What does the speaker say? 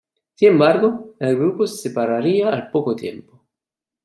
Sin embargo, el grupo se separaría al poco tiempo.